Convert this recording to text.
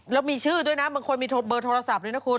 แล้วมีชื่อด้วยนะบางคนมีเบอร์โทรศัพท์ด้วยนะคุณ